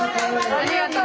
ありがとう！